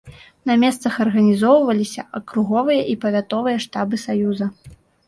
На месцах арганізоўваліся акруговыя і павятовыя штабы саюза.